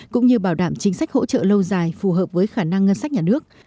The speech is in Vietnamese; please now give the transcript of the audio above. cũng như bảo đảm chính sách hỗ trợ lâu dài phù hợp với khả năng ngân sách nhà nước